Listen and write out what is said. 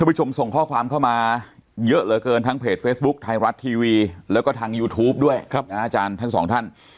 ผู้ชมส่งข้อความเข้ามาเยอะเหลือเกินทางเพจเฟซบุ๊คไทยรัฐทีวีแล้วก็ทางยูทูปด้วยอาจารย์ทั้งสองท่าน